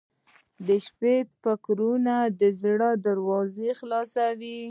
• د شپې فکرونه د زړه دروازې خلاصوي.